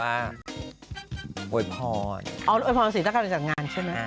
ไอ้พรมไอ้พรมสีตาเกาะในตักงานใช่มั้ย